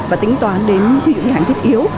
và tính toán đến thí dụ như hàng thiết yếu